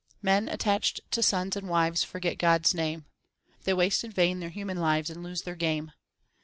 Men attached to sons and wives forget God s name. They waste in vain their human lives and lose their game.